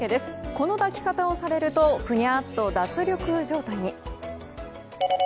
この抱き方をされるとふにゃっと脱力状態に。